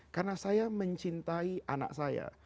karena saya mencintai anak saya